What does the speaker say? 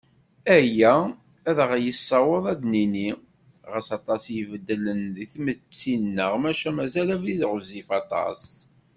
Aya, ad aɣ-yessiweḍ ad d-nini: Ɣas aṭas i ibeddlen deg tmetti-nneɣ, maca mazal abrid ɣezzif aṭas.